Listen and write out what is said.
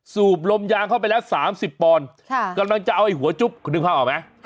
สูบลมยางเข้าไปแล้ว๓๐ปอนด์กำลังจะเอาไอ้หัวจุ๊บคุณนึกภาพออกไหม